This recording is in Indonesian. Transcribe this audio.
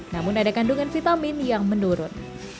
namun ada kandungan vitamin yang menurun